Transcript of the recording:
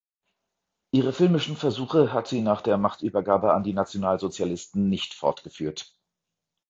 Ihre filmischen Versuche hat sie nach der Machtübergabe an die Nationalsozialisten nicht fortgeführt.